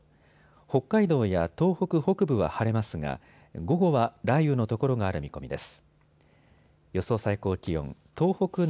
北海道や東北北部は晴れますが午後は雷雨の所がある見込みです。